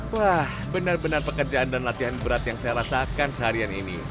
wah benar benar pekerjaan dan latihan berat yang saya rasakan seharian ini